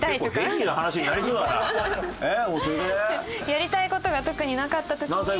やりたい事が特になかった時に。